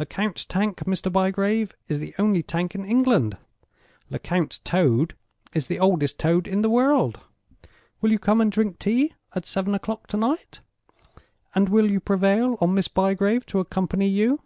Lecount's Tank, Mr. Bygrave, is the only Tank in England—Lecount's Toad is the oldest Toad in the world. Will you come and drink tea at seven o'clock to night? And will you prevail on Miss Bygrave to accompany you?